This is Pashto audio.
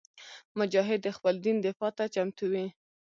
مجاهد د خپل دین دفاع ته چمتو وي.